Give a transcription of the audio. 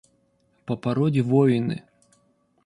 По породе воины.